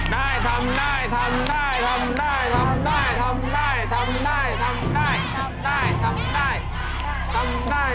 ได้ทำได้ทำได้ทำได้